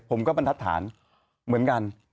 ผมก็บรรทัทฐานเหมือนกัน